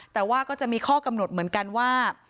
แต่ว่าก็จะมีข้อกำหนดเหมือนกันว่า